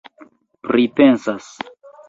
pripensas